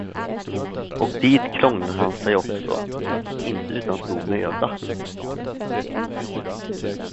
Och dit krånglade han sig också, fast inte utan stor möda.